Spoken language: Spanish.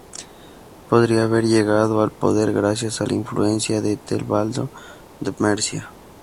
Podría haber llegado al poder gracias a la influencia de Ethelbaldo de Mercia.